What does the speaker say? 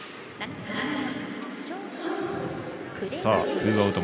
ツーアウト。